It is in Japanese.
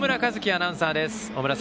アナウンサーです。